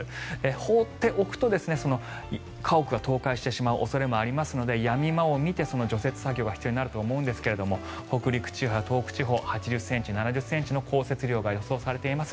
放っておくと家屋が倒壊してしまう恐れもありますのでやみ間を見て除雪作業が必要になると思うんですが北陸地方や東北地方８０ｃｍ、７０ｃｍの降雪量が予想されています。